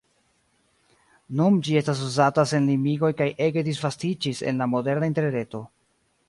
Nun ĝi estas uzata sen limigoj kaj ege disvastiĝis en la moderna Interreto.